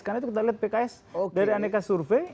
karena itu kita lihat pks dari aneka survei